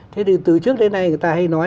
thế thì từ trước đến nay người ta hay nói